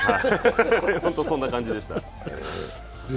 そんな感じでした。